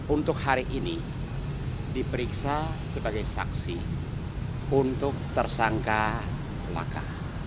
untuk hari ini diperiksa sebagai saksi untuk tersangka laka